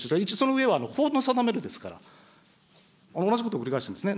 その上は法の定めるですから、同じことを繰り返してますね、